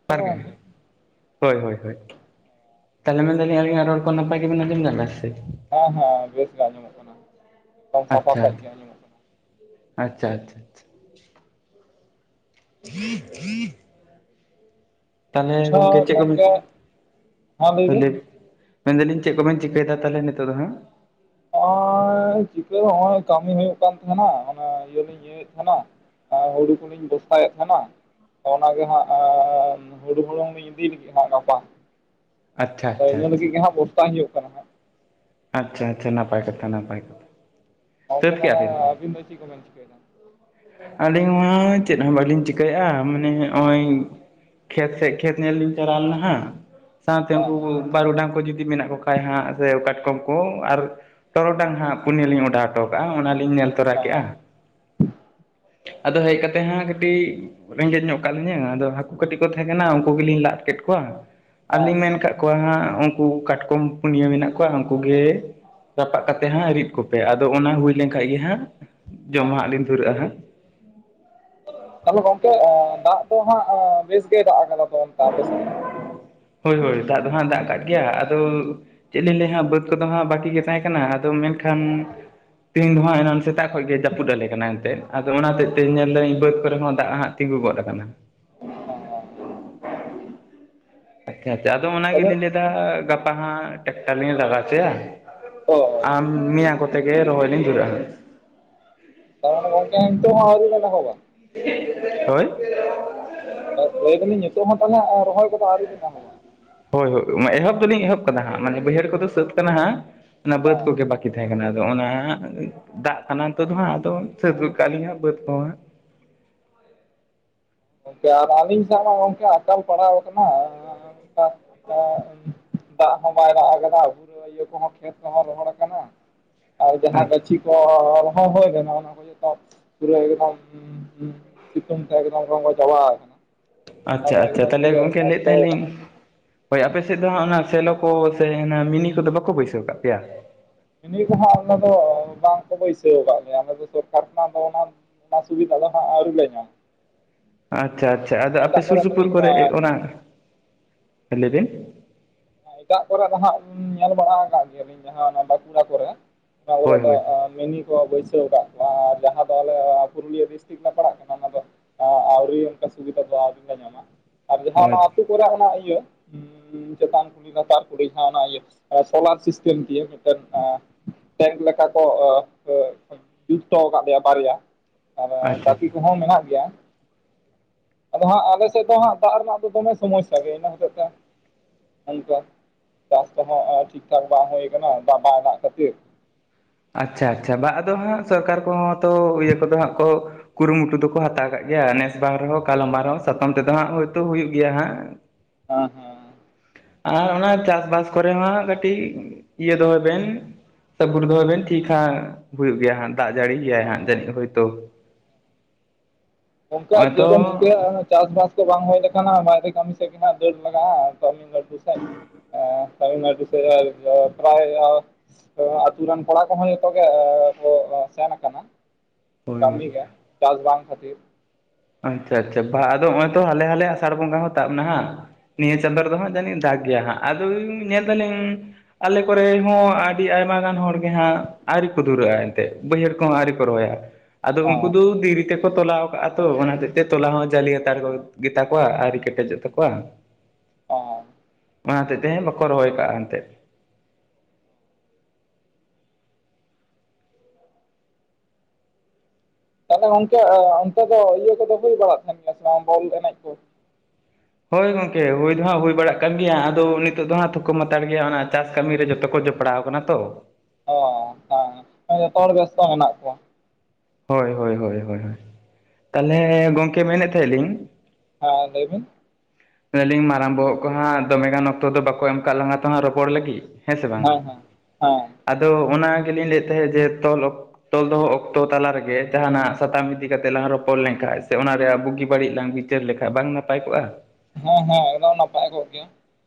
[unintelligible] ᱯᱟᱨ ᱦᱮᱞᱳ ᱜᱚᱝᱠᱮ ᱜᱮ ᱦᱳᱭ, ᱦᱳᱭ, ᱦᱳᱭ ᱛᱟᱦᱚᱞᱮ ᱢᱮᱱᱫᱟᱞᱤᱧ, ᱟᱹᱞᱤᱧᱟᱜ ᱨᱚᱲᱠᱚ ᱱᱟᱯᱟᱭ ᱜᱮᱵᱮᱱ ᱟᱸᱡᱚᱢ ᱧᱟᱢᱫᱟ ᱥᱮ? ᱦᱮᱸ ᱦᱮᱸ ᱵᱮᱥ ᱜᱮ ᱟᱸᱡᱚᱢᱚᱜ ᱠᱟᱱᱟ᱾ ᱮᱠᱟᱞ ᱥᱟᱯᱷᱟ ᱥᱟᱹᱦᱤᱡ ᱜᱮ ᱟᱸᱡᱚᱢᱚᱜ ᱠᱟᱱᱟ᱾ ᱟᱪᱪᱷᱟ, ᱟᱪᱪᱷᱟ, ᱟᱪᱪᱷᱟ ᱦᱮᱸ ᱦᱮᱸ [inaudible] ᱛᱟᱦᱚᱞᱮ ᱜᱚᱝᱠᱮ ᱪᱮᱫ ᱠᱚ ᱵᱤᱱ, ᱦᱮᱸ ᱞᱟᱹᱭ ᱦᱚᱭ ᱵᱤᱱ ᱞᱟᱹᱭᱵᱤᱱ? ᱢᱮᱱᱫᱟᱞᱤᱝ ᱪᱮᱫ ᱠᱚᱵᱮᱱ ᱪᱤᱠᱟᱹᱭᱮᱫᱟ, ᱛᱟᱦᱚᱞᱮ ᱱᱤᱛᱚᱜ ᱫᱚ ᱦᱟᱸᱜ? ᱦᱚᱸᱜᱼᱚᱭ ᱪᱤᱠᱟᱹ ᱦᱚᱸᱜᱼᱚᱭ ᱠᱟᱹᱢᱤ ᱦᱩᱭᱩᱜ ᱠᱟᱱ ᱛᱟᱦᱮᱱᱟ ᱾ᱚᱱᱟ ᱤᱭᱟᱹᱞᱤᱧ ᱤᱭᱟᱹ ᱮᱫ ᱛᱟᱦᱮᱱᱟ᱾ᱟᱨ ᱦᱩᱲᱩ ᱠᱩᱞᱤᱧ ᱵᱮᱵᱥᱟᱭᱮᱫ ᱛᱟᱦᱮᱱᱟ᱾ ᱚᱱᱟᱜᱮ ᱦᱟᱸᱜ ᱦᱩᱲᱩ ᱦᱩᱲᱩᱝᱞᱤᱝ ᱤᱫᱤ ᱞᱟᱹᱜᱤᱫ ᱦᱟᱸᱜ ᱚᱱᱟ ᱵᱟᱝ? ᱟᱪᱪᱷᱟ ᱟᱪᱪᱷᱟ ᱯᱟᱭᱞᱟᱹ ᱞᱟᱹᱜᱤᱫ ᱟᱪᱪᱷᱟ ᱜᱮ ᱦᱟᱸᱜ ᱵᱚᱨᱟᱭ ᱦᱩᱭᱩᱜ ᱠᱟᱱᱟ ᱦᱟᱸᱜ? ᱟᱪᱪᱷᱟ, ᱟᱪᱷᱟ, ᱱᱟᱯᱟᱭ ᱠᱟᱛᱷᱟ, ᱱᱟᱯᱟᱭ ᱠᱟᱛᱷᱟ᱾ ᱜᱚᱝᱠᱮ ᱥᱟᱹᱛ ᱠᱮᱜᱼᱟ ᱛᱟᱦᱚᱞᱮ ᱵᱤᱱ ᱟᱹᱵᱤᱱ ᱫᱚ ᱪᱤᱜᱠᱚᱵᱮᱱ ᱪᱤᱠᱟᱹᱭᱫᱟ? ᱟᱹᱞᱤᱧ ᱦᱚᱸ ᱢᱟ ᱪᱮᱫ ᱦᱚᱸ ᱵᱟᱹᱞᱤᱧ ᱪᱤᱠᱟᱭᱮᱻᱟ᱾ ᱢᱟᱱᱮ ᱚᱸᱭ? ᱠᱷᱮᱛᱷ ᱥᱮᱜ ᱠᱷᱮᱛᱷ ᱧᱮᱞ ᱞᱤᱝ ᱪᱟᱞᱟᱣᱞᱟᱱᱱᱟ ᱦᱟᱸᱜ ᱥᱟᱸᱶᱛᱮ ᱦᱮᱸ ᱩᱱᱠᱩᱠᱩ ᱵᱟᱨᱩᱰᱟᱝ ᱠᱩ ᱡᱩᱫᱤ ᱢᱮᱱᱟᱜ ᱠᱚ ᱠᱷᱟᱡ ᱦᱟᱸᱜ, ᱥᱮ ᱚᱠᱟᱴ ᱠᱚᱸᱢ ᱠᱚᱸ ᱟᱨ ᱴᱚᱨᱚᱰᱟᱝ ᱦᱟᱸᱜ ᱯᱩᱱᱭᱟᱹ ᱞᱤᱧ ᱚᱰᱟᱣ ᱴᱚᱠᱟᱻᱟ ᱚᱱᱟ ᱞᱤᱧ ᱧᱮᱞ ᱛᱚᱨᱟ ᱠᱮᱼᱟ᱾ ᱦᱮᱸ ᱟᱫᱚ ᱦᱮᱡ ᱠᱟᱛᱮᱜ ᱦᱟᱸᱜ ᱠᱟᱹᱴᱤᱡ ᱨᱮᱸᱜᱮᱡ ᱧᱚᱜ ᱠᱟᱜ ᱞᱤᱧᱟᱹ ᱟᱫᱚ ᱦᱟᱠᱩ ᱠᱟᱹᱴᱤᱡ ᱠᱚ ᱛᱟᱦᱮᱸ ᱠᱟᱱᱟ᱾ ᱩᱱᱠᱩ ᱜᱮᱞᱤᱧ ᱞᱟᱫ ᱠᱮᱫ ᱠᱚᱣᱟ᱾ ᱦᱮᱸ ᱟᱨᱞᱤᱤᱧ ᱢᱮᱱ ᱠᱟᱜ ᱠᱚᱣᱟ ᱦᱟᱸᱜ᱾ ᱩᱱᱠᱩ ᱠᱟᱴᱠᱚᱢ ᱯᱩᱱᱭᱟᱹ ᱢᱮᱱᱟᱜ ᱠᱚᱣᱟ᱾ ᱩᱱᱠᱩ ᱠᱩᱜᱮ ᱨᱟᱯᱟᱜ ᱠᱟᱛᱮᱜ ᱦᱟᱸᱜ ᱨᱤᱫ ᱠᱚᱯᱮ, ᱟᱫᱚ ᱚᱱᱟ ᱦᱩᱭ ᱞᱮᱱᱠᱷᱟᱡ ᱜᱮ ᱦᱟᱸᱜ ᱡᱚᱢ ᱦᱮᱸ ᱜᱟᱸᱜ ᱞᱤᱧ ᱫᱽᱷᱩᱨᱟᱹᱼᱟ ᱾ᱦᱟᱸᱜ ᱛᱟᱦᱞᱮ ᱜᱚᱝᱠᱮ ᱫᱟᱜ ᱫᱚ ᱦᱟᱸᱜ, ᱵᱮᱥ ᱜᱮᱭ ᱫᱟᱜ ᱟᱠᱟᱫᱟ ᱾ᱛᱚ ᱚᱱᱠᱟ ᱟᱯᱮ ᱥᱮᱫ ᱫᱚ? ᱦᱳᱭ, ᱦᱳᱭ, ᱫᱟᱜ ᱫᱚᱦᱟᱸᱜ ᱫᱟᱜ ᱟᱠᱟᱜ ᱜᱮᱭᱟ᱾ ᱟᱫᱳ ᱪᱮᱫ ᱞᱤᱧ ᱞᱟᱹᱭᱟ ᱦᱟᱸᱜ, ᱵᱟᱹᱫᱽ ᱠᱚᱼᱫᱚ ᱦᱟᱸᱜ ᱵᱟᱹᱠᱤ ᱜᱮ ᱛᱟᱦᱮᱸ ᱠᱟᱱᱟ᱾ ᱟᱫᱚ ᱢᱮᱱᱠᱷᱟᱱ ᱛᱮᱦᱮᱧ ᱫᱚ ᱦᱟᱸᱜ ᱮᱱᱟᱱ ᱥᱮᱛᱟᱜ ᱠᱷᱚᱡ ᱜᱮᱭ, ᱡᱟᱹᱯᱩᱫ ᱟᱞᱮᱭ ᱮᱱᱛᱮᱜ, ᱟᱫᱚ ᱚᱱᱟ ᱦᱚᱛᱮᱜ ᱛᱮ ᱧᱮᱞᱫᱟᱹᱧ ᱵᱟᱹᱫᱽ ᱠᱚᱨᱮ ᱦᱚᱸ ᱫᱟᱜ ᱦᱟᱸᱜ ᱛᱤᱸᱜᱩ ᱜᱚᱫ ᱟᱠᱟᱱᱟ᱾ ᱚᱸ ᱟᱪᱪᱷᱟ, ᱟᱪᱪᱷᱟ, ᱟᱫᱚ ᱛᱟᱦᱚᱞᱮ ᱜᱮᱞᱤᱧ ᱞᱟᱹᱭᱫᱟ ᱾ᱜᱟᱯᱟ ᱦᱟᱸᱜ ᱴᱨᱟᱠᱴᱟᱨ ᱞᱤᱧ ᱞᱟᱜᱟᱣ ᱚᱪᱚᱭ-ᱟ᱾ ᱚ ᱟᱢ ᱢᱮᱭᱟᱝ ᱠᱚᱛᱮ ᱜᱮ ᱨᱚᱦᱚᱭ ᱞᱤᱧ ᱫᱽᱷᱩᱨᱟᱹᱻᱟ ᱦᱟᱸᱜ ᱛᱟᱨᱢᱟᱱᱮ ᱜᱚᱝᱠᱮ ᱱᱤᱛᱚᱜ ᱦᱚᱸ ᱟᱹᱣᱨᱤ ᱵᱮᱱ ᱮᱦᱚᱵᱟ? ᱦᱳᱭ ᱮᱸᱫ ᱞᱟᱹᱭᱫᱟᱞᱤᱧ ᱱᱤᱛᱚᱜ ᱦᱚᱸ ᱛᱟᱞᱦᱮ ᱟ ᱨᱚᱦᱚᱭ ᱠᱚᱫᱚ ᱟᱹᱣᱨᱤᱵᱮᱱ ᱮᱦᱚᱵᱟ᱾ ᱦᱳᱭ ᱦᱳᱭ ᱢᱮ ᱮᱦᱚᱵ ᱫᱚᱞᱤᱧ ᱮᱦᱚᱵ ᱠᱟᱫᱟ ᱦᱟᱸᱜ ᱢᱟᱱᱮ ᱵᱟᱹᱭᱦᱟᱹᱲ ᱠᱚᱫᱚ ᱥᱟᱹᱛ ᱠᱟᱱᱟ ᱦᱟᱸᱜ ᱚᱱᱟ ᱵᱟᱹᱫᱽ ᱦᱮᱸ ᱠᱚᱜᱮ ᱵᱟᱠ ᱠᱤ ᱛᱟᱦᱮᱸ ᱠᱟᱱᱟ ᱟᱫᱚ ᱚᱱᱟ ᱫᱟᱜ ᱠᱟᱱᱟ ᱱᱤᱛᱚᱜ ᱫᱚ ᱦᱟᱸᱜ ᱟᱫᱚ ᱥᱟᱹᱛ ᱜᱚᱜᱠᱟᱜ-ᱟ ᱞᱤᱝ ᱦᱟᱸᱜ ᱵᱟᱹᱫᱽ ᱠᱚᱦᱚᱸ ᱦᱟᱸᱜ᱾ ᱜᱚᱢᱠᱮ ᱟᱨ ᱟᱹᱞᱤᱧ ᱥᱟᱸᱶᱢᱟ ᱜᱚᱝᱠᱮ ᱟᱠᱟᱞ ᱯᱟᱲᱟᱣ ᱟᱠᱟᱱᱟ᱾ ᱚᱱᱠᱟ ᱚᱱᱠᱟ ᱫᱟᱜ ᱦᱚᱸ ᱵᱟᱭ ᱫᱟᱜ ᱟᱠᱟᱫᱟ ᱟᱵᱚᱨᱮᱱ ᱠᱚ ᱤᱭᱟᱹ ᱠᱚᱦᱚᱸ ᱠᱷᱮᱛ ᱠᱚᱦᱚᱸ ᱨᱚᱦᱚᱲ ᱟᱠᱟᱱᱟ ᱟᱨ ᱡᱟᱦᱟᱸ ᱦᱟᱸᱜ ᱜᱟᱹᱪᱷᱤ ᱛᱚ ᱟᱨ ᱦᱚᱸ ᱦᱳᱭ ᱟᱠᱟᱱᱟ ᱚᱱᱟ ᱦᱩᱭᱩᱜ ᱠᱟᱡ ᱯᱩᱨᱟᱹ ᱮᱠᱫᱚᱢ ᱥᱤᱛᱩᱝ ᱛᱮ ᱮᱠᱫᱚᱢ ᱨᱚᱸᱜᱚ ᱪᱟᱵᱟᱣ ᱟᱠᱟᱱᱟ᱾ ᱟᱪᱪᱷᱟ ᱟᱫᱚ ᱟᱪᱪᱷᱟ ᱮᱠᱫᱚᱢ ᱛᱟᱦᱚᱞᱮ ᱯᱩᱨᱟᱹ ᱜᱚᱢᱠᱮ ᱞᱟᱹᱭᱮᱫ ᱱᱚᱥᱴᱚ ᱛᱟᱦᱮᱜ ᱞᱤᱧ ᱟᱠᱟᱱᱟ ᱦᱳᱭ ᱟᱯᱮ ᱥᱮᱫ ᱫᱚ ᱦᱟᱸᱜ ᱚᱱᱟ ᱥᱮᱞᱚ ᱠᱚ ᱥᱮ ᱦᱟᱱᱟ ᱢᱤᱱᱤ ᱠᱚᱫᱚ ᱵᱟᱠᱚ ᱵᱟᱹᱭᱥᱟᱹᱣ ᱠᱟᱜ ᱯᱮᱭᱟ? ᱢᱤᱱᱤ ᱠᱚᱦᱚᱸ ᱟᱞᱮ ᱫᱚ ᱵᱟᱝ ᱠᱚ ᱵᱟᱹᱭᱥᱟᱹᱣ ᱟᱠᱟᱫ ᱞᱮᱭᱟ᱾ ᱟᱞᱮ ᱫᱚ ᱥᱚᱨᱠᱟᱨ ᱠᱷᱚᱱᱟᱜ ᱫᱚ ᱚᱱᱟ ᱚᱱᱟ ᱥᱩᱵᱤᱫᱟ ᱫᱚ ᱦᱟᱸᱜ ᱟᱹᱣᱨᱤ ᱞᱮ ᱧᱟᱢᱟ ᱦᱟᱸᱜ᱾ ᱟᱪᱪᱷᱟ ᱟᱪᱪᱷᱟ ᱟᱫᱚ ᱟᱯᱮ ᱥᱩᱨ ᱥᱩᱯᱩᱨ ᱠᱚᱨᱮ ᱚᱱᱟ- ᱦᱮᱸ ᱞᱟᱹᱭ ᱵᱤᱱ᱾ ᱮᱴᱟᱜ ᱠᱚᱨᱮᱜ ᱫᱚ ᱦᱟᱸᱟᱜ ᱧᱮᱞ ᱵᱟᱲᱟᱣ ᱟᱠᱟᱫ ᱜᱮᱭᱟᱞᱤᱧ ᱡᱟᱦᱟᱸ ᱵᱟᱸᱠᱩᱲᱟ ᱠᱚᱨᱮ᱾ ᱚᱱᱟ ᱠᱚᱨᱮ ᱦᱳᱭ ᱫᱚ ᱦᱳᱭ ᱟ ᱢᱤᱱᱤ ᱠᱚ ᱵᱟᱹᱭᱥᱟᱹᱣ ᱟᱠᱟᱫ ᱠᱚᱣᱟ ᱟᱨ ᱡᱟᱦᱟᱸ ᱫᱚ ᱟᱞᱮ ᱯᱩᱨᱩᱞᱤᱭᱟᱹ ᱰᱤᱥᱴ ᱴᱷᱤᱠ ᱞᱮ ᱯᱟᱲᱟᱜ ᱠᱟᱱᱟ ᱚᱱᱟ ᱫᱚ ᱟᱹᱣᱨᱤ ᱚᱱᱠᱟ ᱥᱩᱵᱤᱫᱷᱟ ᱫᱚ ᱟᱹᱣᱨᱤ ᱞᱮ ᱧᱟᱢᱟ᱾ ᱟᱨ ᱡᱟᱦᱟᱸ ᱚᱱᱟ ᱟᱪᱪᱷᱟ ᱟᱹᱛᱩ ᱠᱚᱨᱮ ᱚᱱᱟ ᱤᱭᱟᱹ ᱪᱮᱛᱟᱱ ᱠᱩᱞᱦᱤ ᱞᱟᱛᱟᱨ ᱠᱩᱲᱤ ᱡᱟᱦᱟᱸ ᱚᱱᱟ ᱤᱭᱟᱹ ᱥᱳᱞᱟᱨ ᱥᱤᱥᱴᱮᱢ ᱫᱤᱭᱮ ᱢᱤᱫᱴᱮᱱ ᱟ ᱴᱮᱝᱠ ᱞᱮᱠᱟ ᱠᱚ ᱡᱩᱛ ᱦᱚᱴᱚᱣ ᱟᱠᱟᱫ ᱞᱮᱭᱟ ᱵᱟᱨᱭᱟ᱾ ᱢᱮᱱᱮ ᱟᱪᱪᱷᱟ ᱴᱟᱠᱤ ᱠᱚᱦᱚᱸ ᱢᱮᱱᱟᱜ ᱜᱮᱭᱟ᱾ ᱟᱫᱚ ᱦᱟᱸᱜ ᱟᱞᱮ ᱥᱮᱫ ᱫᱚ ᱦᱟᱸᱜ ᱫᱟᱜ ᱨᱮᱱᱟᱜ ᱫᱚ ᱫᱚᱢᱮ ᱥᱚᱢᱚᱥᱥᱟ ᱜᱮᱭᱟ ᱤᱱᱟᱹ ᱦᱚᱛᱮᱡ ᱛᱮ ᱚᱱᱠᱟ ᱪᱟᱥ ᱫᱚ ᱦᱟᱸᱜ ᱴᱷᱤᱠ ᱴᱷᱟᱠ ᱵᱟᱝ ᱦᱩᱭ ᱠᱟᱱᱟ, ᱫᱟᱜ ᱵᱟ ᱫᱟᱜ ᱠᱷᱟᱹᱛᱤᱨ᱾ ᱟᱪᱪᱷᱟ ᱟᱪᱪᱷᱟ, ᱵᱟ ᱟᱫᱚ ᱦᱟᱸᱜ ᱥᱚᱨᱠᱟᱨ ᱠᱚᱦᱚᱸ ᱛᱚ ᱤᱭᱟᱹ ᱠᱚᱫᱚ ᱦᱟᱸᱜ ᱠᱚ ᱠᱩᱨᱩᱢᱩᱴᱩ ᱫᱚᱠᱚ ᱦᱟᱛᱟᱣ ᱠᱟᱜ ᱜᱮᱭᱟ ᱱᱮᱥ ᱵᱟᱝ ᱨᱮᱦᱚᱸ ᱠᱟᱞᱚᱢ ᱵᱟᱝ ᱨᱮᱦᱚᱸ ᱥᱟᱛᱚᱢ ᱛᱮᱫᱚ ᱦᱟᱸᱜ ᱦᱳᱭᱛᱳ ᱦᱩᱭᱩᱜ ᱜᱮᱭᱟ ᱦᱟᱸᱜ᱾ ᱟ ᱦᱮᱸ᱾ ᱟᱨ ᱚᱱᱟ ᱪᱟᱥᱵᱟᱥ ᱠᱚᱨᱮ ᱦᱚᱸ ᱦᱟᱸᱜ ᱠᱟᱹᱴᱤᱡ ᱤᱭᱟᱹ ᱫᱚᱦᱚᱭ ᱵᱮᱱ ᱥᱟᱵᱩᱨ ᱫᱚᱦᱚᱭ ᱵᱮᱱ ᱴᱷᱤᱠ ᱦᱟᱸᱜ ᱦᱩᱭᱩᱜ ᱜᱮᱭᱟ ᱦᱟᱸᱜ ᱫᱟᱜ ᱡᱟᱹᱲᱤ ᱜᱮᱭ ᱦᱟᱸᱜ ᱦᱮᱸ ᱡᱟᱹᱱᱤᱡ ᱦᱳᱭᱛᱳ᱾ ᱚᱱᱠᱟ ᱥᱨ ᱱᱚᱜᱼᱚᱭ ᱛᱚ ᱪᱮᱜᱵᱮᱱ ᱪᱤᱠᱟᱹᱭᱟ ᱚᱱᱮ ᱪᱟᱥᱵᱟᱥ ᱠᱚ ᱵᱟᱝ ᱦᱩᱭ ᱞᱮᱠᱷᱟᱱ ᱦᱟᱸᱜ ᱵᱟᱭᱨᱮ ᱠᱟᱹᱢᱤ ᱥᱮᱫ ᱜᱮ ᱱᱟᱟᱜ ᱫᱟᱹᱲ ᱞᱟᱜᱟᱜᱼᱟ ᱛᱚᱢᱞ ᱱᱟᱰᱤ ᱥᱮᱡ ᱟ᱾ ᱛᱟᱢᱤᱞᱱᱟᱰᱩ ᱥᱮᱫ ᱯᱨᱟᱭ ᱛᱚ ᱟᱛᱩᱨ ᱨᱮᱱ ᱠᱚᱲᱟ ᱠᱚᱦᱚᱸ ᱡᱚᱛᱚ ᱜᱮ ᱠᱚ ᱥᱮᱱ ᱟᱠᱟᱱᱟ᱾ ᱦᱳᱭ ᱦᱳᱭ ᱠᱟᱹᱢᱤ ᱜᱮ ᱪᱟᱥ ᱵᱟᱝ ᱠᱷᱟᱹᱛᱤᱨ᱾ ᱟᱪᱪᱷᱟ ᱟᱪᱪᱷᱟ ᱵᱟ ᱟᱫᱚ ᱱᱚᱜᱼᱚᱭ ᱛᱚ ᱦᱟᱞᱮ ᱦᱟᱞᱮ ᱟᱥᱟᱲ ᱵᱚᱸᱜᱟ ᱦᱚᱸ ᱛᱟᱵ ᱱᱟ ᱦᱟᱸᱜ᱾ ᱱᱤᱭᱟᱹ ᱪᱟᱸᱫᱚ ᱨᱮᱫᱚ ᱦᱟᱸᱜ ᱡᱟᱹᱱᱤᱡᱧ ᱫᱟᱜ ᱜᱮᱭᱟ ᱦᱟᱸᱜ ᱟᱫᱚ ᱧᱮᱞ ᱫᱟᱞᱤᱧ ᱟᱞᱮ ᱠᱚᱨᱮ ᱦᱚᱸ ᱟᱹᱰᱤ ᱟᱭᱢᱟ ᱜᱟᱱ ᱦᱚᱲᱜ ᱜᱮ ᱦᱟᱸᱜ ᱟᱹᱨᱤ ᱠᱚ ᱫᱷᱩᱨᱟᱹᱜᱼᱟ ᱮᱱᱛᱮᱫ᱾ ᱵᱟᱹᱭᱦᱟᱹᱲ ᱠᱚᱦᱚᱸ ᱟᱹᱣᱨᱤ ᱠᱚ ᱨᱚᱦᱚᱭᱟ᱾ ᱟᱫᱚ ᱩᱱᱠᱩ ᱦᱚᱸ ᱫᱚ ᱫᱷᱤᱨᱤ ᱛᱮᱠᱚ ᱛᱚᱞᱟᱣ ᱟᱠᱟᱫᱼᱟ᱾ ᱛᱚ ᱚᱱᱟ ᱦᱚᱛᱮᱡ ᱛᱮ ᱛᱚᱞᱟ ᱦᱚᱸ ᱡᱟᱹᱞᱤ ᱦᱟᱛᱟᱲ ᱠᱚ ᱜᱮᱛᱟ ᱠᱚᱣᱟ ᱟᱣᱨᱤ ᱠᱮᱴᱮᱡᱚᱜ ᱛᱟᱠᱚᱣᱟ᱾ ᱚ᱾ ᱚᱱᱟ ᱦᱚᱛᱮᱡ ᱛᱮᱦᱮᱧ ᱵᱟᱠᱚ ᱨᱚᱦᱚᱭ ᱠᱟᱜᱼᱟ ᱮᱱᱛᱮᱫ᱾ ᱛᱟᱦᱚᱞᱮ ᱜᱚᱝᱠᱮ ᱚᱱᱛᱮ ᱫᱚ ᱤᱭᱟᱹ ᱠᱚᱫᱚ ᱦᱩᱭ ᱵᱟᱲᱟᱜ ᱛᱟᱦᱮᱱ ᱜᱮᱭᱟ ᱥᱮ ᱵᱟᱝ ᱵᱚᱞ ᱮᱱᱮᱡ ᱠᱚ? ᱦᱳᱭ ᱜᱚᱢᱠᱮ ᱦᱩᱭ ᱫᱚ ᱦᱟᱸᱜ ᱦᱩᱭ ᱵᱟᱲᱟᱜ ᱠᱟᱱ ᱜᱮᱭᱟ ᱟᱫᱚ ᱱᱤᱛᱚᱜ ᱫᱚ ᱦᱟᱸᱜ ᱛᱷᱚᱠᱠᱚ ᱢᱟᱛᱟᱲ ᱜᱮᱭᱟ ᱚᱱᱟ ᱪᱟᱥ ᱠᱟᱹᱢᱤ ᱨᱮ ᱡᱚᱛᱚ ᱠᱚ ᱡᱚᱯ ᱯᱟᱲᱟᱣ ᱠᱟᱱᱟ ᱛᱚ᱾ ᱚ ᱦᱮᱸ [unintelligible] ᱦᱮᱸ ᱡᱚᱛᱚ ᱦᱚᱲ ᱵᱮᱥᱛᱚ ᱢᱮᱱᱟᱜ ᱠᱚᱣᱟ᱾ ᱦᱳᱭ ᱦᱳᱭ ᱦᱳᱭ ᱦᱳᱭ᱾ ᱛᱟᱦᱞᱮ ᱜᱚᱝᱠᱮ ᱢᱮᱱᱮᱫ ᱛᱟᱦᱮᱸᱜ ᱞᱤᱧ ᱦᱮᱸ ᱞᱟᱹᱭ ᱵᱮᱱ᱾ ᱞᱤᱧ ᱢᱟᱨᱟᱝ ᱵᱚᱦᱚᱜ ᱠᱚ ᱦᱟᱸᱜ ᱫᱚᱢᱮᱜᱟᱱ ᱚᱠᱛᱚ ᱫᱚ ᱵᱟᱠᱚ ᱮᱢ ᱠᱟᱜ ᱞᱟᱝ-ᱟ ᱛᱚ ᱦᱟᱸᱜ ᱨᱚᱯᱚᱲ ᱞᱟᱹᱜᱤᱜ? ᱦᱮᱸ ᱥᱮ ᱵᱟᱝ? ᱦᱮᱸ ᱦᱮᱸ ᱟᱫᱚ ᱚᱱᱟ ᱜᱮᱞᱤᱧ ᱞᱟᱹᱭ ᱮᱫ ᱛᱟᱦᱮᱸᱫ ᱡᱮ ᱛᱚᱞ ᱛᱚᱞ ᱫᱚᱦᱚ ᱚᱠᱛᱚ ᱛᱟᱞᱟ ᱨᱮᱜᱮ ᱡᱟᱦᱟᱱᱟᱜ ᱥᱟᱛᱟᱢ ᱤᱫᱤ ᱠᱟᱛᱮ ᱞᱟᱝ ᱨᱚᱯᱚᱲ ᱞᱮᱱ ᱠᱷᱟᱡ ᱥᱮ ᱚᱱᱟ ᱨᱮᱭᱟᱜ ᱵᱩᱜᱤ ᱵᱟᱹᱲᱤᱡ ᱞᱟᱝ ᱵᱤᱪᱟᱹᱨ ᱞᱮᱠᱷᱟᱡ ᱵᱟᱝ ᱱᱟ ᱯᱟᱭ ᱠᱚᱜᱼᱟ? ᱦᱮᱸ ᱦᱮᱸ ᱮᱠᱫᱚᱢ ᱱᱟᱯᱟᱭ ᱠᱚᱜ ᱜᱮᱭᱟ᱾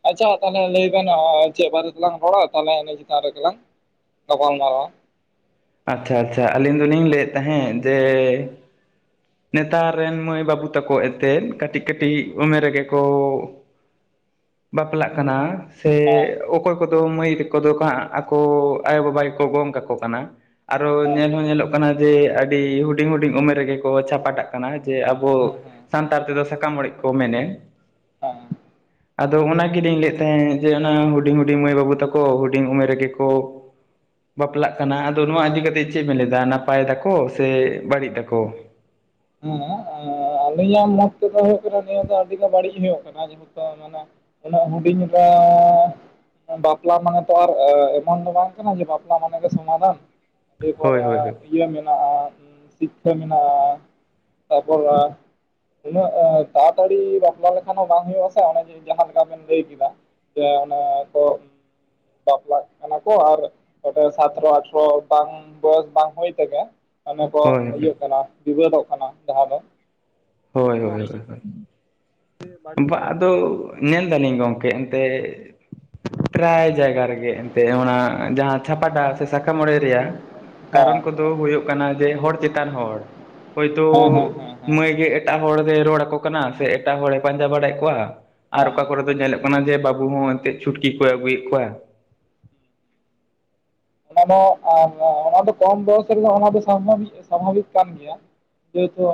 ᱟᱪᱪᱷᱟ ᱛᱟᱦᱞᱮ ᱞᱟᱹᱭ ᱵᱮᱱ ᱪᱮᱫ ᱵᱟᱨᱮ ᱛᱮᱞᱟᱝ ᱦᱚᱲᱟ ᱛᱟᱦᱞᱮ ᱤᱱᱟᱹ ᱪᱮᱛᱟᱱ ᱨᱮᱜᱮᱞᱟᱝ ᱜᱟᱯᱟᱞ ᱢᱟᱨᱟᱣ ᱟᱪᱪᱷᱟ ᱟᱪᱪᱷᱟ ᱟᱞᱤᱧ ᱫᱚᱞᱤᱧ ᱞᱟᱹᱭᱮᱫ ᱛᱟᱦᱮᱸᱫ ᱡᱮ ᱱᱮᱛᱟᱨ ᱨᱮᱱ ᱢᱟᱹᱭ ᱵᱟᱹᱵᱩ ᱛᱟᱠᱚ ᱮᱱᱛᱮᱫ ᱠᱟᱹᱴᱤᱡ ᱠᱟᱹᱴᱤᱡ ᱩᱢᱮᱨ ᱨᱮᱜᱮ ᱠᱚ ᱵᱟᱯᱞᱟᱜ ᱠᱟᱱᱟ᱾ ᱥᱮ ᱦᱮᱸ ᱚᱠᱚᱭ ᱠᱚᱫᱚ ᱢᱟᱹᱭ ᱛᱮᱠᱚ ᱫᱚᱠᱚ ᱦᱟᱸᱜ ᱟᱠᱚ ᱟᱭᱚᱼ ᱵᱟᱵᱟ ᱜᱮᱠᱚ ᱜᱚᱝ ᱠᱟᱠᱚ ᱠᱟᱱᱟ᱾ ᱟᱨᱚ ᱦᱮᱸ ᱧᱮᱞ ᱦᱮᱸ ᱦᱚᱸ ᱧᱮᱞᱚᱜ ᱠᱟᱱᱟ ᱡᱮ ᱟᱹᱰᱤ ᱦᱩᱰᱤᱧ ᱦᱩᱰᱤᱧ ᱩᱢᱮᱨ ᱨᱮᱜᱮ ᱠᱚ ᱪᱷᱟᱯᱟᱴᱟ ᱠᱟᱱᱟ ᱡᱮ ᱟᱵᱚ ᱦᱮᱸ ᱥᱟᱱᱛᱟᱲ ᱛᱮᱫᱚ ᱥᱟᱠᱟᱢ ᱚᱲᱮᱡ ᱠᱚ ᱢᱮᱱᱮᱫ᱾ ᱦᱟᱸ ᱟᱫᱚ ᱚᱱᱟ ᱜᱮᱞᱤᱧ ᱞᱟᱹᱭᱮᱫ ᱛᱟᱦᱮᱸᱫ ᱡᱮ ᱚᱱᱟ ᱦᱩᱰᱤᱧ ᱦᱩᱰᱤᱧ ᱢᱟᱹᱭ ᱵᱟᱹᱵᱩ ᱛᱟᱠᱚ ᱦᱩᱰᱤᱧ ᱩᱢᱮᱨ ᱨᱮᱜᱮ ᱠᱚ ᱵᱟᱯᱞᱟᱜ ᱠᱟᱱᱟ ᱟᱫᱚ ᱱᱚᱣᱟ ᱤᱫᱤ ᱠᱟᱛᱮ ᱪᱮᱫ ᱵᱮᱱ ᱞᱟᱹᱭᱟ ᱱᱟᱯᱟᱭ ᱫᱟᱠᱚ ᱥᱮ ᱵᱟᱹᱲᱤᱡ ᱫᱟᱠᱚ ᱦᱮᱸ ᱟᱹᱞᱤᱧᱟᱜ ᱢᱚᱛ ᱛᱮᱫᱚ ᱦᱩᱭᱩᱜ ᱠᱟᱱᱟ ᱱᱤᱭᱟᱹ ᱫᱚ ᱟᱹᱰᱤ ᱫᱚ ᱵᱟᱹᱲᱤᱡ ᱦᱩᱭᱩᱜᱜ ᱠᱟᱱᱟ ᱡᱮᱦᱮᱛᱩ ᱢᱮ ᱚᱱᱟ ᱦᱩᱰᱤᱧ [unintelligible] ᱵᱟᱯᱞᱟ ᱢᱟᱱᱮ ᱛᱚ ᱟᱨ ᱮᱢᱚᱱ ᱫᱚ ᱵᱟᱝ ᱠᱟᱱᱟ ᱵᱟᱯᱞᱟ ᱢᱟᱱᱮ ᱜᱮ ᱥᱚᱢᱟᱫᱷᱟᱱ ᱛᱮᱯᱚᱨ ᱦᱳᱭ ᱦᱳᱭ ᱦᱳᱭ ᱤᱭᱟᱹ ᱢᱮᱱᱟᱜᱼᱟ ᱥᱤᱠᱠᱷᱷᱟ ᱢᱮᱱᱟᱜᱼᱟ ᱛᱟᱯᱚᱨ ᱩᱱᱟᱹᱜ ᱛᱟᱲᱟᱛᱟᱲᱤ ᱵᱟᱯᱞᱟ ᱞᱮᱠᱷᱟᱱ ᱦᱚᱸ ᱵᱟᱝ ᱦᱩᱭᱩᱜ ᱟᱥᱮ ᱚᱱᱮ ᱡ ᱡᱟᱦᱟᱸᱠᱟ ᱵᱮᱱ ᱞᱟᱹᱭ ᱠᱮᱫᱟ ᱡᱮ ᱚᱱᱮ ᱠᱚ ᱵᱟᱯᱞᱟᱜ ᱠᱟᱱᱟ ᱠᱚ ᱟᱨ ᱥᱟᱚᱛᱨᱚ ᱟᱴᱷᱨᱚ ᱵᱟᱝ ᱵᱚᱭᱚᱥ ᱵᱟᱝ ᱦᱩᱭ ᱛᱮᱜᱮ ᱚᱱᱮ ᱠᱚ ᱦᱳᱭ ᱦᱳᱭ ᱦᱤᱭᱟᱹᱜ ᱠᱟᱱᱟ ᱵᱤᱵᱟᱹᱫᱚᱜ ᱠᱟᱱᱟ ᱡᱟᱦᱟᱸ ᱫᱚ ᱦᱳᱭ ᱦᱳᱭ ᱦᱳᱭ ᱦᱭ ᱵᱟᱹᱲᱤᱡ ᱵᱟ ᱜᱮ ᱟᱫᱚ ᱧᱮᱞ ᱮ ᱫᱟᱞᱤᱧ ᱜᱚᱝᱠᱮ ᱮᱱᱛᱮᱫ ᱯᱨᱟᱭ ᱡᱟᱭᱜᱟ ᱨᱮᱜᱮ ᱮᱱᱛᱜ ᱚᱱᱟ ᱡᱟᱦᱟᱸ ᱪᱷᱟᱯᱟᱴᱟ ᱥᱮ ᱥᱟᱠᱟᱢᱚᱲᱮ ᱨᱮᱭᱟᱜ ᱠᱟᱨᱚᱱ ᱦᱮᱸ ᱠᱚᱫᱚ ᱦᱩᱭᱩᱜ ᱠᱟᱱᱟ ᱡᱮ ᱦᱚᱲ ᱪᱮᱛᱟᱱ ᱦᱚᱲ ᱦᱚᱳᱭᱛᱳ ᱦᱮᱸ ᱦᱮᱸ ᱦᱮᱸ ᱦᱮᱸ ᱢᱟᱹᱭ ᱜᱮ ᱮᱴᱟᱜ ᱦᱚᱲᱮᱭ ᱨᱚᱲ ᱟᱠᱚ ᱠᱟᱱᱟ ᱥᱮ ᱮᱴᱟᱜ ᱦᱚᱲᱮ ᱯᱟᱸᱡᱟ ᱵᱟᱲᱟᱭᱮᱫ ᱠᱚᱣᱟ ᱟᱨ ᱚᱠᱟ ᱦᱮᱸ ᱠᱚᱨᱮ ᱫᱚ ᱧᱮᱞᱮᱫ ᱠᱟᱱᱟ ᱡᱮ ᱵᱟᱹᱵᱩ ᱦᱚᱸ ᱮᱱᱛᱮᱫ ᱪᱷᱩᱴᱠᱤ ᱠᱚᱭ ᱟᱹᱜᱩᱭᱮᱫ ᱠᱚᱣᱟ ᱚᱱᱟ ᱚᱱᱟ ᱫᱚ ᱠᱚᱢ ᱵᱚᱭᱚᱥ ᱨᱮᱫᱚ ᱚᱱᱟ ᱫᱚ ᱥᱟᱵᱷᱟᱵᱤᱠ ᱠᱟᱱ ᱜᱮᱭᱟ ᱡᱟᱹᱛᱼᱟ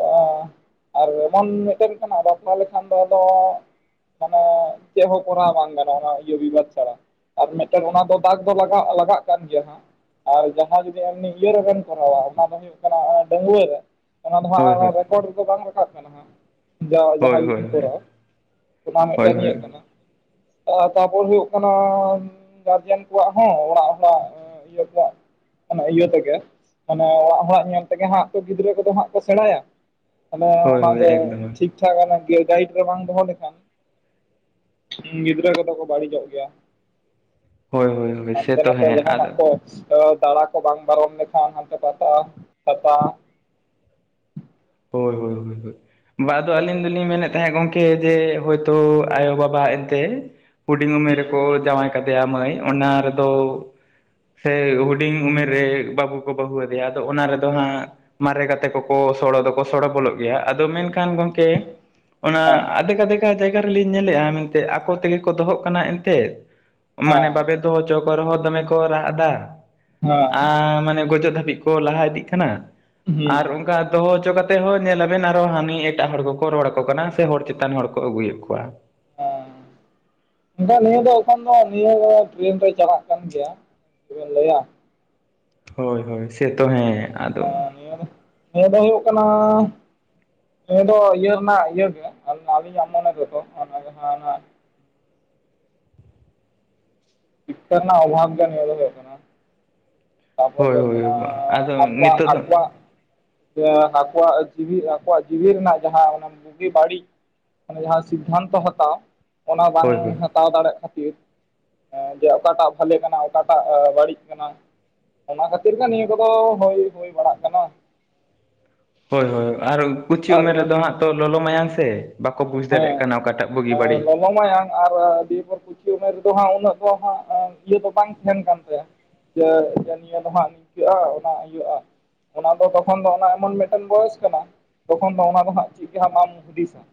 ᱟᱨ ᱮᱢᱚᱱ ᱢᱤᱫᱴᱮᱱ ᱠᱟᱱᱟ ᱵᱟᱯᱞᱟ ᱞᱮᱠᱷᱟᱱ ᱫᱚ ᱟᱫᱚ ᱢᱟᱱᱮ ᱪᱮᱫ ᱦᱚᱸ ᱠᱚᱨᱟᱣ ᱵᱟᱝ ᱜᱟᱱᱚᱜ ᱚᱱᱟ ᱤᱭᱟᱹ ᱵᱤᱵᱟᱫ ᱪᱷᱟᱲᱟ ᱟᱨ ᱢᱤᱫᱴᱟᱝ ᱚᱱᱟ ᱫᱚ ᱫᱟᱜ ᱫᱚ ᱞᱟᱜᱟᱣ ᱞᱟᱜᱟᱜ ᱠᱟᱱ ᱜᱮᱭᱟ ᱦᱟᱸᱜ ᱟᱨ ᱡᱟᱦᱟᱸ ᱡᱩᱫᱤ ᱮᱢᱱ ᱤᱭᱟᱹ ᱨᱮᱵᱢ ᱠᱚᱨᱟᱣᱟ ᱚᱱᱟ ᱫᱚ ᱦᱩᱭᱩᱜ ᱠᱟᱱᱟ ᱰᱺᱣᱟᱹ ᱨᱮ ᱚᱱᱟ ᱫᱚ ᱦᱳᱭ ᱦᱟᱸᱜ ᱦᱳᱭ ᱨᱮᱠᱚᱨᱰ ᱨᱮᱫᱚ ᱵᱟᱝ ᱨᱟᱠᱟᱵ ᱠᱟᱱᱟ ᱦᱟᱸᱜ ᱡ ᱡᱟᱦᱟᱸ ᱦᱳᱭ ᱦᱳᱭ ᱜᱮᱵᱚᱱ ᱦᱳᱭ ᱠᱚᱨᱟᱣᱟ ᱚᱱᱟ ᱦᱳᱭ ᱢᱤᱫᱴᱮᱱ ᱦᱳᱭ ᱤᱧᱟᱹᱜ ᱠᱟᱱᱟ ᱛᱟᱯᱚᱨ ᱦ ᱦᱩᱭᱩᱜ ᱠᱟᱱᱟ ᱜᱟᱨᱡᱮᱱ ᱠᱚᱣᱟᱜ ᱦᱚᱸ ᱚᱲᱟᱜ ᱦᱚᱲᱟᱜ ᱤᱭᱟᱹ ᱠᱚᱣᱟᱜ ᱤᱭᱟᱹ ᱛᱮᱜᱮ ᱢᱟᱱᱮ ᱚᱲᱟᱜ ᱦᱚᱲᱟᱜ ᱧᱮᱞ ᱛᱮᱜᱮ ᱦᱟᱸᱜ ᱜᱤᱫᱽᱨᱟᱹ ᱠᱚᱫᱚ ᱦᱟᱸᱜ ᱠᱚ ᱥᱮᱬᱟᱭᱟ ᱢᱟᱱᱮ ᱦᱳᱭ ᱦᱳᱭ ᱚᱱᱟᱜᱮ ᱮᱠᱫᱚᱢ ᱴᱷᱤᱠ ᱴᱷᱟᱠ ᱜᱟᱭᱤᱰ ᱨᱮ ᱵᱟᱝ ᱫᱚᱦᱚ ᱞᱮᱠᱷᱟᱱ ᱜᱤᱫᱽᱨᱟᱹ ᱠᱚᱫᱚ ᱠᱚ ᱵᱟᱹᱲᱤᱡᱚᱜ ᱜᱮᱭᱟ ᱦᱳᱭ ᱦᱳᱭ ᱦᱳᱭ ᱦᱟᱱᱛᱮ ᱥᱮᱛᱚ ᱱᱟᱛᱮ ᱦᱮᱸ ᱡᱟᱦᱟᱱᱟᱜ ᱟᱫᱚ ᱠᱚ ᱫᱟᱬᱟ ᱠᱚ ᱵᱟᱝ ᱯᱟᱨᱚᱢ ᱞᱮᱠᱷᱟᱱ ᱦᱟᱱᱛᱮ ᱯᱟᱛᱟ ᱯᱟᱛᱟ ᱦᱳᱭ ᱦᱳᱭ ᱦᱳᱭ ᱦᱳᱭ ᱵᱟ ᱟᱫᱚ ᱤᱱᱟᱹᱜᱮ ᱟᱹᱞᱤᱧ ᱫᱚᱞᱤᱧ ᱢᱮᱱᱮᱫ ᱛᱟᱦᱮᱸᱫ ᱜᱚᱝᱠᱮ ᱡᱮ ᱦᱳᱭᱛᱳ ᱟᱭᱳᱼᱵᱟᱵᱟ ᱮᱱᱛᱮ ᱦᱩᱰᱤᱧ ᱩᱢᱮᱨ ᱦᱩᱸ ᱨᱮᱠᱚ ᱡᱟᱶᱟᱭ ᱠᱟᱱᱟ ᱠᱟᱫᱮᱭᱟ ᱢᱟᱹᱭ ᱚᱱᱟ ᱨᱮᱫᱚ ᱥᱮ ᱦᱩᱰᱤᱧ ᱩᱢᱮᱨ ᱨᱮ ᱵᱟᱹᱵᱩ ᱠᱚ ᱵᱟᱹᱦᱩᱣᱟᱫᱮᱭᱟ ᱟᱫᱚ ᱚᱱᱟ ᱨᱮᱫᱚ ᱦᱟᱸᱜ ᱢᱟᱨᱮ ᱜᱟᱛᱮ ᱠᱚᱠᱚ ᱥᱚᱲᱚ ᱫᱚ ᱠᱚ ᱥᱚᱲᱚ ᱵᱚᱞᱚᱜ ᱜᱮᱭᱟ ᱟᱫᱚ ᱢᱮᱱᱠᱷᱟᱱ ᱜᱚᱝᱠᱮ, ᱦᱮᱸ ᱚᱱᱟ ᱟᱫᱷᱮᱠ ᱟᱫᱷᱮᱠ ᱠᱟ ᱡᱟᱭᱜᱟ ᱨᱮᱞᱤᱧ ᱧᱮᱞᱮᱫᱼᱟ ᱢᱮᱱᱛᱮ ᱟᱠᱚ ᱛᱮᱜᱮ ᱠᱚ ᱫᱚᱦᱚᱜ ᱠᱟᱱᱟ ᱮᱱᱛᱮᱫ ᱢᱟᱱᱮ ᱦᱮᱸ ᱵᱟᱵᱮ ᱫᱚᱦᱚ ᱪᱚ ᱠᱚ ᱨᱮᱦᱚ ᱫᱚᱢᱮ ᱠᱚ ᱨᱟᱜ ᱮᱫᱟ, ᱦᱮᱸ ᱟ ᱢᱟᱱᱮ ᱜᱚᱡᱚᱜ ᱫᱷᱟᱹᱵᱤᱡ ᱠᱚ ᱞᱟᱦᱟ ᱤᱫᱤᱜ ᱠᱟᱱᱟ, ᱦᱩᱸ ᱟᱨ ᱚᱱᱠᱟ ᱫᱚᱦᱚ ᱦᱚᱪᱚ ᱠᱟ ᱛᱮ ᱦᱚᱸ ᱧᱮᱞᱟᱵᱮᱱ ᱟᱨᱚ ᱦᱟᱹᱱᱤ ᱮᱴᱟᱜ ᱦᱚᱲ ᱠᱚᱠᱚ ᱨᱚᱲ ᱟᱠᱚ ᱠᱟᱱᱟ ᱥᱮ ᱦᱚᱲ ᱪᱮᱛᱟᱱ ᱦᱚᱲ ᱠᱚ ᱟᱹᱜᱩᱭᱮᱫ ᱠᱚᱣᱟ᱾ ᱚ᱾ ᱢᱮᱱᱠᱷᱟᱱ ᱱᱤᱭᱟᱹ ᱫᱚ ᱮᱠᱷᱚᱱ ᱫᱚ ᱱᱤᱭᱟᱹ ᱴᱨᱮᱱ ᱫᱚ ᱪᱟᱞᱟᱜ ᱠᱟᱱ ᱜᱮᱭᱟ ᱪᱮᱫ ᱵᱮᱱ ᱞᱟᱹᱭᱟ᱾ ᱦᱳᱭ ᱦᱳᱭ ᱥᱮᱛᱚ ᱦᱮᱸ ᱟᱫᱚ ᱱᱤᱭᱟᱹ ᱫᱚ ᱦᱮᱸ ᱫᱚ ᱦᱩᱭᱩᱜ ᱠᱟᱱᱟ ᱱᱤᱭᱟᱹ ᱫᱚ ᱤᱭᱟᱹ ᱨᱮᱱᱟᱜ ᱤᱭᱟᱹ ᱜᱮ ᱟᱹᱞᱤᱧᱟᱜ ᱢᱚᱱᱮ ᱫᱚᱛᱚ ᱚᱱᱟ ᱜᱮ ᱱᱟᱜ ᱚᱱᱟ ᱥᱤᱠᱠᱷᱟ ᱨᱮᱱᱟᱜ ᱚᱵᱷᱟᱵ ᱜᱮ ᱱᱤᱭᱟᱹ ᱫᱚ ᱦᱩᱭᱩᱜ ᱠᱟᱱᱟ᱾ ᱛᱟᱨᱯᱚᱨᱮ ᱦᱳᱭ ᱦᱩᱭᱩᱜ ᱦᱳᱭ ᱠᱟᱱᱟ ᱟᱫᱚ ᱟᱠᱚᱣᱟᱜ ᱱᱤᱛᱚᱜ ᱫᱚ ᱟᱠᱚᱣᱟᱜ ᱥᱮᱱ ᱟᱠᱚᱣᱟᱜ ᱡᱤᱣᱤ ᱟᱠᱚᱣᱟᱜ ᱡᱤᱣᱤ ᱨᱮᱱᱟᱜ ᱡᱟᱦᱟᱸ ᱚᱱᱟ ᱵᱩᱜᱤ ᱵᱟᱹᱲᱤᱡ ᱢᱟᱱᱮ ᱡᱟᱦᱟᱸ ᱥᱤᱫᱽᱫᱷᱟᱱᱛᱚ ᱦᱟᱛᱟᱣ ᱚᱱᱟ ᱵᱟᱝ ᱦᱳᱭ ᱦᱳᱭ ᱦᱟᱛᱟᱣ ᱫᱟᱲᱮᱜ ᱠᱷᱟᱹᱛᱤᱨ᱾ ᱦᱮᱸ ᱡᱮ ᱚᱠᱟᱴᱟᱜ ᱵᱷᱟᱞᱮ ᱠᱟᱱᱟ ᱚᱠᱟᱴᱟᱜ ᱵᱟᱹᱲᱤᱡ ᱠᱟᱱᱟ ᱚᱱᱟ ᱠᱷᱟᱹᱛᱤᱨ ᱜᱮ ᱱᱤᱭᱟᱹ ᱠᱚᱫᱚ ᱦᱩᱭ ᱦᱩᱭ ᱵᱟᱲᱟᱜ ᱠᱟᱱᱟ᱾ ᱦᱳᱭ ᱦᱳᱭ ᱟᱨ ᱠᱩᱪᱷᱤ ᱟᱨ ᱩᱢᱮᱨ ᱨᱮᱫᱚ ᱦᱟᱸᱜ ᱛᱚ ᱞᱚᱞᱚ ᱢᱟᱭᱟᱝ ᱥᱮ᱾ ᱵᱟᱠᱚ ᱵᱩᱡᱽ ᱫᱟᱲᱮᱭᱟᱜ ᱦᱮᱸ ᱠᱟᱱᱟ ᱚᱠᱟᱴᱟᱜ ᱵᱩᱜᱤ ᱵᱟᱹᱲᱤᱡ᱾ ᱞᱚᱞᱚ ᱢᱟᱭᱟᱝ ᱟᱨ ᱫᱤᱭᱮ ᱯᱚᱨ ᱠᱩᱪᱤ ᱩᱢᱮᱨ ᱨᱮᱫᱚ ᱦᱟᱸᱜ ᱩᱱᱟᱹᱜ ᱫᱚ ᱦᱟᱸᱜ ᱤᱭᱟᱹ ᱫᱚ ᱵᱟᱝ ᱛᱟᱦᱮᱸᱱ ᱠᱟᱱ ᱛᱟᱭᱟ᱾ ᱡᱮ ᱥᱮ ᱱᱤᱭᱟᱹ ᱫᱚ ᱦᱟᱸᱜ ᱱᱤᱝᱠᱟᱹᱜᱼᱟ, ᱚᱱᱟ ᱤᱭᱟᱹᱜᱼᱟ᱾ ᱚᱱᱟ ᱫᱚ ᱛᱚᱠᱷᱚᱱ ᱫᱚ ᱚᱱᱟ ᱮᱢᱚᱱ ᱢᱤᱫᱴᱮᱱ ᱵᱚᱭᱮᱥ ᱠᱟᱱᱟ ᱛᱚᱠᱷᱚᱱ ᱫᱚ ᱚᱱᱟ ᱫᱚ ᱦᱟᱸᱜ ᱪᱮᱫ ᱠᱟ ᱦᱚᱸ ᱵᱟᱢ ᱦᱩᱫᱤᱥᱟ᱾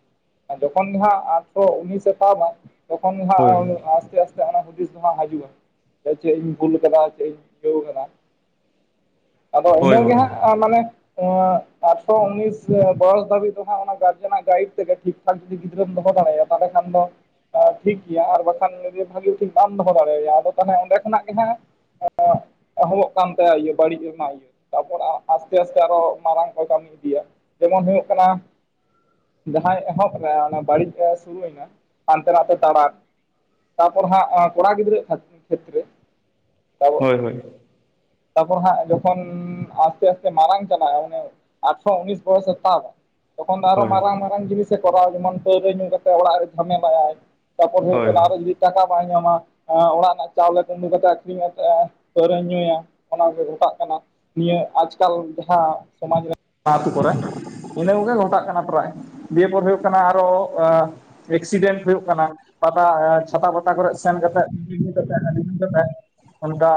ᱟᱨ ᱡᱚᱠᱷᱚᱱ ᱜᱮ ᱦᱟᱸᱜ ᱟᱴᱷᱨᱚ ᱩᱱᱤᱥ ᱮ ᱛᱟᱵᱟ ᱛᱚᱠᱷᱚᱱ ᱜᱮ ᱦᱳᱭ ᱦᱟᱸᱜ ᱟᱥᱛᱮ ᱟᱥᱛᱮ ᱚᱱᱟ ᱦᱩᱫᱤᱥ ᱫᱚ ᱵᱟᱝ ᱦᱤᱡᱩᱜᱼᱟ ᱪᱮᱜ ᱤᱧ ᱵᱷᱩᱞ ᱟᱠᱟᱫᱟ ᱪᱮᱫ ᱤᱧ ᱪᱤᱠᱟᱹᱣ ᱠᱟᱫᱟ᱾ ᱟᱫᱚ ᱦᱳᱭ ᱦᱳᱭ ᱤᱱᱟᱹ ᱜᱮ ᱦᱳᱭ ᱦᱟᱸᱜ ᱟᱸ ᱢᱟᱱᱮ ᱟᱴᱷᱨᱚ ᱩᱱᱤᱥ ᱵᱚᱭᱚᱥ ᱫᱷᱟᱹᱵᱤᱡ ᱫᱚ ᱦᱟᱸᱜ ᱚᱱᱟ ᱜᱟᱨᱡᱮᱱᱟᱜ ᱜᱟᱭᱤᱰ ᱛᱮᱜᱮ ᱴᱷᱤᱠ ᱴᱷᱟᱠ ᱡᱩᱫᱤ ᱜᱤᱫᱽᱨᱟᱹᱢ ᱫᱚᱦᱚ ᱫᱟᱲᱮᱭᱟᱭᱟ ᱛᱟᱦᱞᱮ ᱠᱷᱟᱱ ᱫᱚᱼᱼ ᱮᱸ ᱴᱷᱤᱠ ᱜᱮᱭᱟ ᱟᱨ ᱵᱟᱠᱷᱟᱱ ᱡᱩᱫᱤ ᱵᱷᱟᱜᱮ ᱴᱷᱤᱠ ᱵᱟᱢ ᱫᱚᱦᱚ ᱫᱟᱲᱮᱭᱟᱭᱟ ᱟᱫᱚ ᱛᱟᱦᱞᱮ ᱚᱸᱰᱮ ᱠᱷᱚᱱᱟᱜ ᱜᱮ ᱦᱟᱸᱜ ᱮᱸ ᱮᱦᱚᱵᱚᱜ ᱠᱟᱱ ᱛᱟᱭᱟ ᱤᱭᱟᱹ ᱵᱟᱹᱲᱤᱡ ᱨᱮᱱᱟᱜ ᱤᱭᱟᱹ᱾ ᱛᱟᱨᱯᱚᱨᱮ ᱟᱥᱛᱮ ᱟᱥᱛᱮ ᱟᱨᱚ ᱢᱟᱨᱟᱝ ᱠᱚᱭ ᱠᱟᱹᱢᱤ ᱤᱫᱤᱭᱟ ᱡᱮᱢᱚᱱ ᱦᱩᱭᱩᱜ ᱠᱟᱱᱟ ᱡᱟᱦᱟᱸᱭ ᱮᱦᱚᱵ ᱠᱟ ᱚᱱᱟ ᱵᱟᱹᱲᱤᱡ ᱮ ᱥᱩᱨᱩ ᱨᱮᱱᱟᱜ ᱦᱟᱱᱛᱮ ᱱᱟᱛᱮ ᱛᱟᱲᱟᱜ, ᱛᱟᱨᱯᱚᱨ ᱦᱟᱸᱜ ᱠᱚᱲᱟ ᱜᱤᱫᱽᱨᱟᱹ [unintelligible] ᱠᱷᱮᱛᱨᱮ ᱦᱳᱭ ᱦᱳᱭ᱾ ᱛᱟᱯᱚᱨ ᱦᱟᱸᱜ ᱡᱚᱠᱷᱚᱱ ᱟᱥᱛᱮ ᱟᱥᱛᱮ ᱢᱟᱨᱟᱝ ᱪᱟᱞᱟᱜ ᱟᱭ ᱚᱱᱮ, ᱟᱴᱷᱨᱚ ᱩᱱᱤᱥ ᱵᱚᱭᱚᱥᱮ ᱛᱟᱵᱟ, ᱛᱚᱠᱷᱚᱱ ᱫᱚ ᱟᱨᱚ ᱢᱟᱨᱟᱝ ᱢᱟᱨᱟᱝ ᱡᱤᱱᱤᱥᱮ ᱠᱚᱨᱟᱣᱟ ᱡᱮᱢᱚᱱ ᱯᱟᱹᱣᱨᱟᱹ ᱧᱩ ᱠᱟᱛᱮ ᱚᱲᱟᱜ ᱨᱮ ᱡᱷᱟᱢᱮᱞᱟᱭᱟᱭ᱾ ᱛᱟᱯᱚᱨ ᱦᱩᱭᱩᱜ ᱦᱳᱭ ᱠᱟᱱᱟ ᱟᱨᱚ ᱡᱩᱫᱤ ᱴᱟᱠᱟ ᱵᱟᱭ ᱧᱟᱢᱟ ᱮᱸ ᱚᱲᱟᱜ ᱨᱮᱱᱟᱜ ᱪᱟᱣᱞᱮ ᱠᱩᱢᱵᱲᱩ ᱠᱟᱛᱮ ᱟᱹᱠᱷᱨᱤᱧ ᱟᱛᱮᱜ ᱯᱟᱹᱣᱨᱟᱹᱭ ᱧᱩᱭᱟ᱾ ᱚᱱᱟ ᱜᱮ ᱜᱷᱚᱴᱟᱜ ᱠᱟᱱᱟ᱾ ᱱᱤᱭᱟᱹ ᱟᱡᱽᱠᱟᱞ ᱡᱟᱦᱟᱸ ᱥᱚᱢᱟᱡᱽ ᱨᱮ, ᱚᱱᱟ ᱟᱹᱛᱩ ᱠᱚᱨᱮ ᱤᱱᱟᱹ ᱠᱚᱜᱮ ᱜᱷᱚᱴᱟᱜ ᱠᱟᱱᱟ ᱯᱨᱟᱭ᱾ ᱫᱤᱭᱮ ᱯᱚᱨ ᱦᱩᱭᱩᱜ ᱠᱟᱱᱟ ᱟᱨᱚ ᱮᱸ ᱮᱠᱥᱤᱰᱮᱱᱴ ᱦᱩᱭᱩᱜ ᱠᱟᱱᱟ᱾ ᱯᱟᱛᱟ ᱪᱷᱟᱛᱟ ᱯᱟᱛᱟ ᱠᱚᱨᱮᱜ ᱥᱮᱱ ᱠᱟᱛᱮ [unintelligible] ᱦᱟᱺᱰᱤ ᱧᱩ ᱠᱟᱛᱮᱜ, ᱚᱱᱠᱟ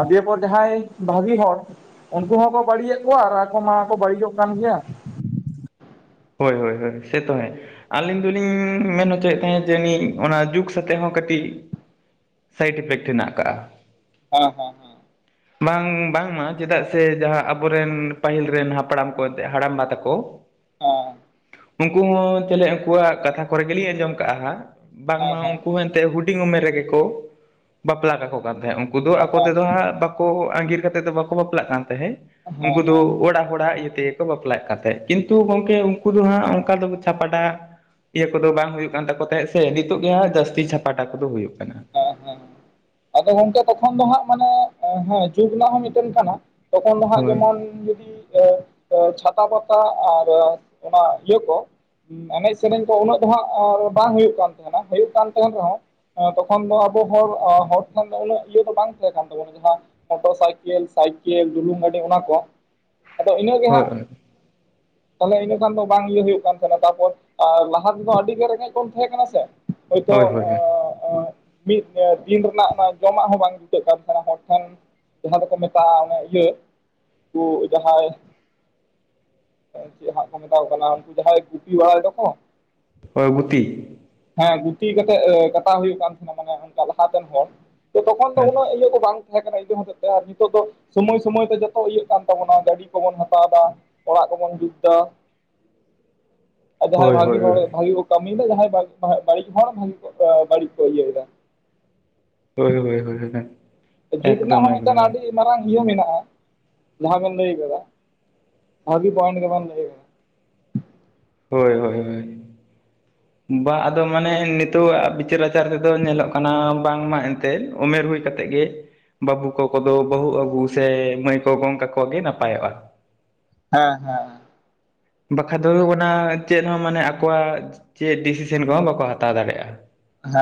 ᱟᱨ ᱫᱤᱭᱮᱯᱚᱨ ᱡᱟᱦᱟᱸᱭ ᱵᱷᱟᱹᱜᱤ ᱦᱚᱲ ᱩᱱᱠᱩ ᱦᱚᱸᱠᱚ ᱵᱟᱹᱲᱤᱡᱮ-ᱜ ᱠᱚᱣ-ᱟ᱾ ᱟᱨ ᱟᱠᱚ ᱢᱟ ᱠᱚ ᱵᱟᱹᱲᱤᱡᱚᱜ ᱠᱟᱱ ᱜᱮᱭᱟ᱾ ᱦᱳᱭ, ᱦᱳᱭ, ᱦᱳᱭ ᱥᱮᱛᱚ ᱦᱮᱸ, ᱟᱹᱞᱤᱧ ᱫᱚ ᱞᱤᱧ ᱢᱮᱱ ᱦᱚᱪᱚᱭᱮᱜ ᱛᱟ ᱦᱮᱸᱫ ᱡᱟᱹᱱᱤᱡ ᱚᱱᱟ ᱡᱩᱜᱽ ᱥᱟᱛᱮᱜ ᱦᱚᱸ ᱠᱟᱹᱴᱤᱡ, ᱥᱟᱭᱤᱰ ᱤᱯᱷᱮᱠᱴ ᱦᱮᱱᱟ-ᱜ ᱟᱠᱟᱜᱼᱟ᱾ ᱦᱟᱸ, ᱦᱟᱸ, ᱦᱟᱸ᱾ ᱵᱟᱝ ᱵᱟᱝᱢᱟ ᱪᱮᱫᱟᱜ ᱥᱮ ᱡᱟᱦᱟᱸ ᱟᱵᱚᱨᱮᱱ ᱯᱟᱹᱦᱤᱞ ᱨᱮᱱ, ᱦᱟᱯᱲᱟᱢ ᱠᱚ ᱦᱟᱲᱟᱢᱵᱟ ᱛᱟᱠᱚ, ᱚᱸ ᱩᱱᱠᱩ ᱦᱚᱸ ᱛᱟᱦᱞᱮ ᱩᱱᱠᱩᱣᱟ-ᱜ ᱠᱟᱛᱷᱟ ᱠᱚᱨᱮ ᱜᱮᱞᱤᱧ ᱟᱸᱡᱚᱢ ᱠᱟᱜᱼᱟ᱾ ᱦᱟᱸᱜ ᱦᱮᱸ ᱵᱟᱝᱢᱟ ᱦᱮᱸ ᱩᱱᱠᱩ ᱛᱮ ᱦᱩᱰᱤᱧ ᱩᱢᱮᱨ ᱨᱮᱜᱮ ᱠᱚ ᱵᱟᱯᱞᱟ ᱠᱟᱠᱚ ᱠᱟᱱ ᱛᱟᱦᱮᱸᱜ, ᱩᱱᱠᱩ ᱫᱚ ᱦᱮᱸ ᱟᱠᱚ ᱦᱮᱸ ᱛᱮᱫᱚ ᱦᱮᱸ ᱦᱟᱸᱜ ᱵᱟ ᱠᱚ ᱟᱸᱜᱤᱨ ᱠᱟᱛᱮᱫ ᱫᱚ ᱵᱟᱠᱚ ᱵᱟᱯᱞᱟᱜ ᱠᱟᱱ ᱛᱟᱦᱮᱸᱜ ᱾ ᱦᱮᱸ ᱩᱱᱠᱩ ᱫᱚ ᱦᱮᱸ ᱚᱲᱟᱜ ᱦᱚᱲᱟᱜ ᱤᱭᱟᱹᱛᱮ ᱜᱮ [inaudible] ᱵᱟᱯᱞᱟᱜ ᱠᱟᱱ ᱛᱟᱦᱮᱸᱜ, ᱠᱤᱱᱛᱩ ᱜᱚᱝᱠᱮ ᱩᱱᱠᱩ ᱫᱚ ᱦᱟᱸᱜ ᱚᱱᱠᱟ ᱫᱚ ᱪᱷᱟᱯᱟᱰᱟ? ᱤᱭᱟᱹ ᱠᱚᱼᱫᱚ ᱵᱟᱝ ᱦᱩᱭᱩᱜ ᱠᱟᱱ ᱛᱟᱠᱚ ᱛᱟᱦᱮᱸᱜ, ᱥᱮ ᱱᱤᱛᱚᱜ ᱜᱮ ᱦᱟᱸᱜ ᱡᱟᱹᱥᱛᱤ ᱪᱷᱟᱯᱟᱴᱟ ᱠᱚᱼᱫᱚ ᱦᱩᱭᱩᱜ ᱠᱟᱱᱟ᱾ ᱦᱮᱸ ᱦᱮᱸ ᱟᱫᱚ ᱜᱚᱝᱠᱮ ᱛᱚᱠᱷᱚᱱ ᱫᱚ ᱦᱟᱸᱜ ᱢᱟᱱᱮ, ᱦᱮᱸ ᱡᱩᱜᱽ ᱨᱮᱱᱟᱜ ᱦᱚᱸ ᱢᱤᱫᱴᱮᱱ ᱠᱟᱱᱟ ᱾ ᱛᱚᱠᱷᱚᱱ ᱫᱚ ᱦᱟᱸᱜ ᱦᱳᱭ ᱡᱮᱢᱚᱱ ᱡᱩᱫᱤ ᱛᱚ ᱪᱷᱟᱛᱟ ᱯᱟᱛᱟ ᱟᱨ ᱚᱱᱟ ᱤᱭᱟᱹ ᱠᱚ ᱮᱱᱮᱡ ᱥᱮᱨᱮᱧ ᱠᱚ ᱩᱱᱟᱹᱜ ᱫᱚ ᱦᱟᱸᱜ, ᱵᱟᱝ ᱦᱩᱭᱩᱜ ᱠᱟᱱ ᱛᱟᱦᱮᱱᱟ ᱾ ᱦᱩᱭᱩᱜ ᱠᱟᱱ ᱛᱟᱦᱮᱸᱱ ᱨᱮᱦᱚᱸ ᱠᱷᱚᱱ ᱫᱚ ᱟᱵᱚ ᱦᱚᱲ, ᱦᱚᱲ ᱴᱷᱮᱱ ᱫᱚ ᱩᱱᱟᱹᱜ ᱤᱭᱟᱹ ᱫᱚ ᱵᱟᱝ ᱛᱟᱦᱮᱸ ᱠᱟᱱ ᱛᱟᱵᱚᱱᱟ᱾ ᱡᱟᱦᱟᱸ ᱢᱚᱴᱚᱨ ᱥᱟᱭᱠᱹᱞ, ᱥᱟᱭᱠᱮᱞ ᱰᱩᱞᱩᱝ ᱜᱟᱹᱰᱤ ᱚᱱᱟ ᱠᱚ, ᱟᱫᱚ ᱤᱱᱟᱹᱜᱮ ᱦᱳᱭ ᱦᱟᱸᱜ ᱛᱟᱦᱞᱮ ᱤᱱᱟᱹ ᱠᱷᱟᱱ ᱫᱚ ᱵᱟᱝ ᱤᱭᱟᱹ ᱦᱩᱭᱩᱜ ᱠᱟᱱ ᱛᱟᱦᱮᱱᱟ᱾ ᱛᱟᱯᱚᱨ ᱟᱨ ᱞᱟᱦᱟ ᱛᱮᱫᱸ ᱟᱹᱰᱤ ᱜᱮ ᱨᱮᱸᱜᱮᱡ ᱵᱚᱱ ᱛᱟᱦᱮᱸ ᱠᱟᱱᱟ ᱥᱮ ᱾ᱦᱚᱭᱛᱚ ᱦᱳᱭ ᱦᱳᱭ ᱢᱤᱫ ᱫᱤᱱ ᱨᱮᱱᱟᱜ ᱚᱱᱟ ᱡᱚᱢᱟᱜ ᱦᱚᱸ ᱵᱟᱝ ᱡᱩᱴᱟᱹᱜ ᱠᱟᱱ ᱛᱟᱦᱮᱱᱟ᱾ ᱦᱚᱲ ᱴᱷᱮᱱ ᱡᱟᱦᱟᱸ ᱫᱚᱠᱚ ᱢᱮᱛᱟᱜᱼᱟ᱾ ᱚᱱᱟ ᱤᱭᱟᱹ ᱩᱱᱠᱩ ᱡᱟᱦᱟᱸᱭ ᱪᱮᱜ ᱦᱟᱸᱜ ᱠᱚ ᱢᱮᱛᱟᱣ ᱠᱚ ᱠᱟᱱᱟ᱾ ᱩᱱᱠᱩ ᱡᱟᱦᱟᱸᱭ ᱜᱩᱯᱤ ᱵᱟᱲᱟᱭ ᱛᱟᱠᱚ᱾ ᱦᱚᱭ ᱜᱩᱛᱤ ᱾ ᱦᱮᱸ ᱜᱩᱛᱤ ᱠᱟᱛᱮᱜ ᱠᱟᱴᱟᱣ ᱦᱩᱭᱩᱜ ᱠᱟᱱ ᱛᱟᱦᱮᱸᱱᱟ᱾ ᱢᱟᱱᱮ ᱚᱱᱠᱟ ᱞᱟᱦᱟᱛᱮᱱ ᱦᱚᱲ ᱛᱚᱠᱷᱚᱱ ᱫᱚ ᱦᱳᱭ ᱩᱱᱟᱹᱜ ᱤᱭᱟᱹ ᱠᱚ ᱵᱟᱝ ᱛᱟᱦᱮᱸ ᱠᱟᱱᱟ ᱤᱱᱟᱹ ᱦᱚᱛᱮᱡ ᱛᱮ, ᱟᱨ ᱱᱤᱛᱚᱜ ᱫᱚ ᱥᱚᱢᱚᱭ - ᱥᱚᱢᱚᱭ ᱛᱮ ᱡᱚᱛᱚ ᱤᱭᱟᱹᱜ ᱠᱟᱱ ᱛᱟᱵᱚᱱᱟ᱾ ᱜᱟᱹᱰᱤ ᱠᱚᱵᱚᱱ ᱦᱟᱛᱟᱣᱫᱟ ᱚᱲᱟᱜ ᱠᱚᱵᱚᱱ ᱡᱩᱛ ᱫᱟ᱾ ᱟᱨ ᱡᱟᱦᱟᱸᱭ ᱦᱳᱭ ᱵᱷᱽᱟᱜᱤ ᱦᱳᱭ ᱦᱚᱲ, ᱵᱷᱽᱟᱜᱤ ᱠᱚ ᱠᱟᱹᱢᱤᱭᱮᱫᱟ ᱾ ᱡᱟᱦᱟᱸᱭ ᱵᱟᱹᱲᱤᱡ ᱦᱚᱲ ᱵᱷᱽᱟᱜᱤ ᱵᱟᱹᱲᱤᱡ ᱠᱚ ᱤᱭᱟᱭ ᱫᱟ ᱦᱳᱭ, ᱦᱳᱭ, ᱦᱳᱭ᱾ ᱡᱩᱜ ᱨᱮᱱᱟᱜ ᱮᱠᱫᱚᱢ ᱦᱚᱸ ᱢᱤᱫᱴᱟᱝ ᱮᱠᱫᱚᱢ ᱟᱰᱤ ᱢᱟᱨᱟᱝ ᱤᱭᱟᱹ ᱢᱮᱱᱟᱜᱼᱟ᱾ ᱡᱟᱦᱟᱸ ᱵᱮᱱ ᱞᱟᱹᱭ ᱟᱠᱟᱫᱟ᱾ ᱵᱷᱽᱟᱹᱜᱤ ᱯᱚᱭᱮᱱᱴ ᱜᱮᱵᱮᱱ ᱞᱟᱹᱭ ᱟᱠᱟᱫᱟ᱾ ᱦᱳᱭ, ᱦᱳᱭ, ᱦᱳᱭ᱾ ᱹᱹ ᱵᱟ ᱟᱫᱚ ᱢᱟᱱᱮ ᱱᱤᱛᱚᱜ ᱟᱜ, ᱵᱤᱪᱟᱹᱨ ᱟᱪᱟᱨ ᱛᱮᱫᱚᱸ ᱧᱮᱞᱚᱜ ᱠᱟᱱᱟ᱾ ᱵᱟᱝᱢᱟ ᱮᱱᱛᱮᱫ ᱩᱢᱮᱨ ᱦᱩᱭᱼᱼ ᱠᱟᱛᱮᱫ ᱜᱮ, ᱵᱟᱹᱵᱩ ᱠᱚᱠᱚ ᱫᱚ ᱵᱟᱹᱦᱩ ᱟᱹᱜᱩ ᱥᱮ, ᱢᱟᱹᱭ ᱠᱚ ᱜᱚᱝ ᱠᱟᱠᱚ ᱜᱮ ᱱᱟᱯᱟᱭᱚᱜᱼᱟ᱾ ᱦᱮᱸ ᱦᱮᱸ ᱵᱟᱠᱷᱟ ᱫᱚ ᱚᱱᱟ, ᱪᱮᱫ ᱦᱚᱸ ᱢᱟᱱᱮ ᱟᱠᱚᱣᱟᱼᱜ ᱪᱮᱫ ᱰᱤᱥᱤᱥᱮᱱ ᱠᱚᱼᱦᱚᱸ ᱵᱟᱠᱚ ᱦᱟᱛᱟᱣ ᱫᱟᱲᱮᱭᱟᱜᱼᱟ᱾ ᱦᱮᱸ